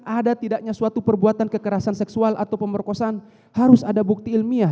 ada tidaknya suatu perbuatan kekerasan seksual atau pemerkosaan harus ada bukti ilmiah